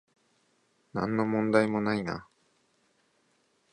なんの問題もないな